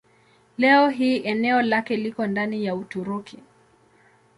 Leo hii eneo lake liko ndani ya Uturuki.